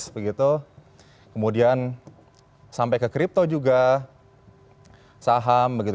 begitu kemudian sampai ke crypto juga saham begitu